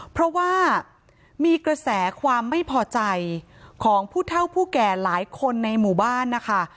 เพราะว่ามีกระแสความไม่พอใจของผู้เท่าผู้แก่หลายคนในหมู่บ้านนะคะ